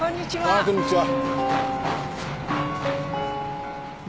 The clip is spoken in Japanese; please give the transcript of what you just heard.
あっこんにちは。